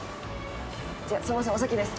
じゃすいませんお先です。